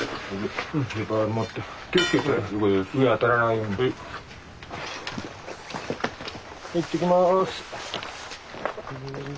いってきます。